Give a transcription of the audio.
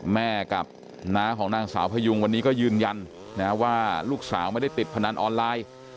แม่กับน้าของนางสาวพยุงวันนี้ก็ยืนยันว่าลูกสาวไม่ได้ติดพนันออนไลน์